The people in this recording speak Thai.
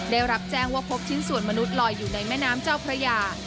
ได้รับแจ้งว่าพบชิ้นส่วนมนุษย์ลอยอยู่ในแม่น้ำเจ้าพระยา